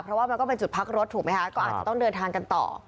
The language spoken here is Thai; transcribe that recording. เพราะว่ามันก็เป็นจุดพักรถถูกไหมคะก็อาจจะต้องเดินทางกันต่อ